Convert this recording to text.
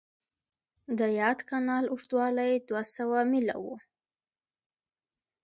د یاد کانال اوږدوالی دوه سوه میله و.